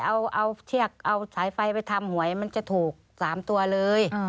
เอาเชือกเอาสายไฟไปทำหวยมันจะถูก๓ตัวเลย